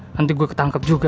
nanti gue ketangkep juga